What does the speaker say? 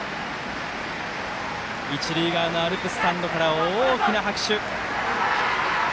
一塁側のアルプススタンドから大きな拍手。